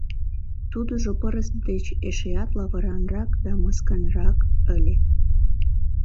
Тудыжо пырыс деч эшеат лавыранрак да мыскыньрак ыле.